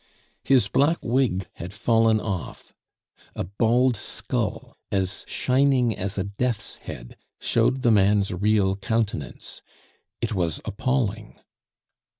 His black wig had fallen off. A bald skull, as shining as a death's head, showed the man's real countenance. It was appalling.